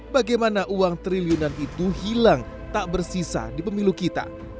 bagaimana uang triliunan itu hilang tak bersisa di pemilu kita